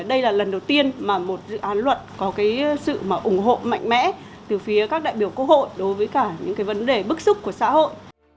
đây là lần đầu tiên mà một dự án luật có cái sự mà ủng hộ mạnh mẽ từ phía các đại biểu quốc hội đối với cả những cái vấn đề bức xúc của xã hội